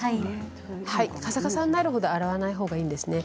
カサカサになるまで洗わないほうがいいですね。